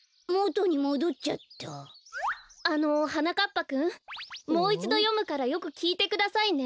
ぱくんもういちどよむからよくきいてくださいね。